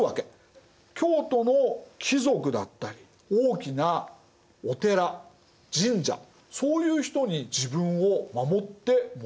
京都の貴族だったり大きなお寺神社そういう人に自分を守ってもらう。